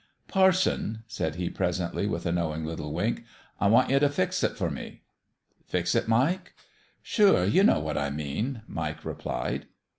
" Parson," said he, presently, with a know ing little wink, " I want ye t' fix it for me." "Fix it, Mike?" " Sure, ye know what I mean," Mike replied.